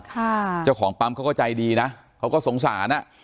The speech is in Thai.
เจ้าของปั๊มเขาก็ใจดีนะเขาก็สงสารอ่ะ